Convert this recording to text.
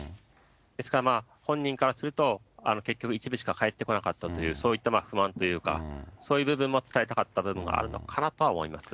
ですから、本人からすると、結局、一部しか返ってこなかったという、そういった不満というか、そういう部分も伝えたかった部分もあるのかなと思います。